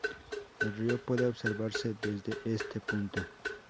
El río puede observarse desde este punto.